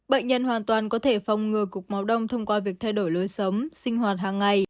bệnh nhân hoàn toàn có thể phòng ngừa cục máu đông thông qua việc thay đổi lối sống sinh hoạt hàng ngày